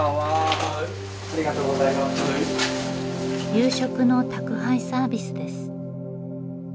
夕食の宅配サービスです。